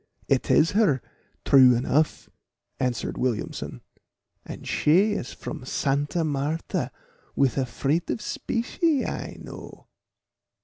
"It is her, true enough," answered Williamson; "and she is from Santa Martha with a freight of specie, I know.